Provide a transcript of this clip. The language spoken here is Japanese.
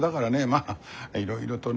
まあいろいろとね。